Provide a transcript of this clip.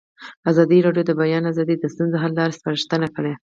ازادي راډیو د د بیان آزادي د ستونزو حل لارې سپارښتنې کړي.